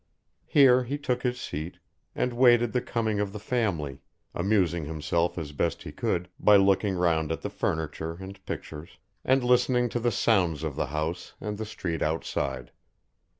Here he took his seat, and waited the coming of the Family, amusing himself as best he could by looking round at the furniture and pictures, and listening to the sounds of the house and the street outside.